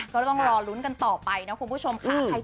ก็ต้องรอลุ้นกันต่อไปนะคุณผู้ชมค่ะ